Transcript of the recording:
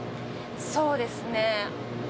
そうですね。